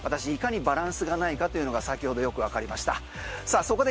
私、いかにバランスがないかというのが先ほどよくわかりました。